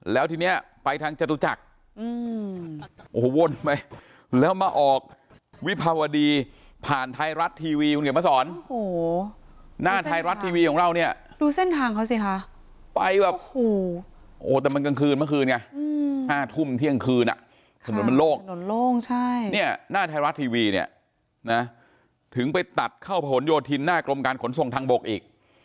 แล้วที่เนี่ยไปทางจษักอันนั้นโว่นไป